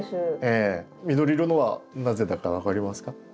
緑色のはなぜだか分かりますか？